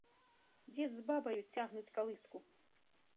Дзед з бабаю цягнуць калыску.